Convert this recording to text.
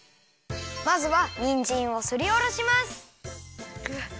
まずはにんじんをすりおろします。